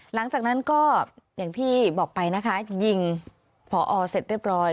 หลังจากนั้นก็อย่างที่บอกไปนะคะยิงพอเสร็จเรียบร้อย